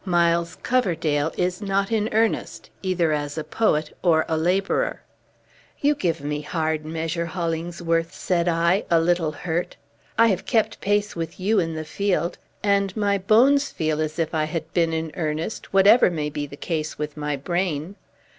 Miles Coverdale is not in earnest, either as a poet or a laborer." "You give me hard measure, Hollingsworth," said I, a little hurt. "I have kept pace with you in the field; and my bones feel as if I had been in earnest, whatever may be the case with my brain!"